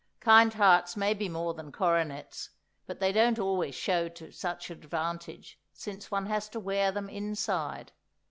Kind hearts may be more than coronets, but they don't always show to such advantage, since one has to wear them inside.